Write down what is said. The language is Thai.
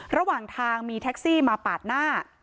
ระหว่างทางมีแท็กซี่มาปาดหน้า